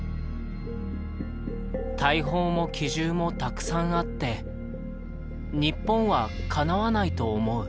「大砲も機銃もたくさんあって日本はかなわないと思う」。